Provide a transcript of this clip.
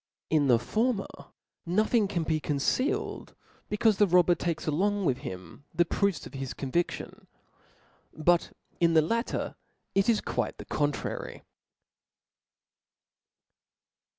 In the former nothing carl be concealed, becaufe the robber takes along with him the proofs of his convidtion ; but in the latter, it is quite the contrary.